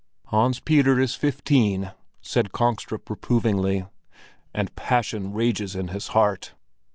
"Hans Peter is fifteen," said Kongstrup reprovingly, "and passion rages in his heart."